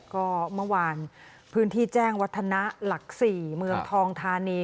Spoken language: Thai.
ก็เมื่อวานพื้นที่แจ้งวัฒนะหลัก๔เมืองทองทานี